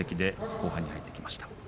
後半に入ってきました。